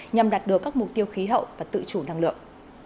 nhằm đạt được các mục tiêu khí hậu và tự chủ năng lượng